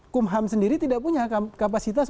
kumham sendiri tidak punya kapasitas